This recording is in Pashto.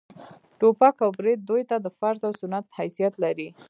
ټوپک او برېت دوى ته د فرض و سنت حيثيت لري.